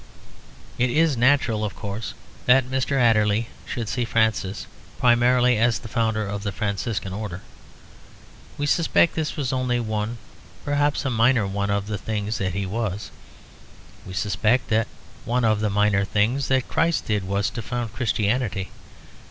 It is natural, of course, that Mr. Adderley should see Francis primarily as the founder of the Franciscan Order. We suspect this was only one, perhaps a minor one, of the things that he was; we suspect that one of the minor things that Christ did was to found Christianity.